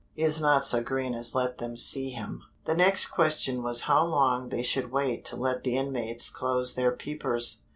"He is not so green as let them see him." The next question was how long they should wait to let the inmates close their peepers.